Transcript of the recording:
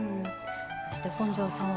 そして本上さんは。